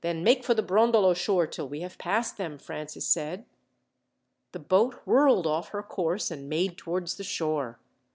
"Then make for the Brondolo shore till we have passed them," Francis said. The boat whirled off her course, and made towards the shore.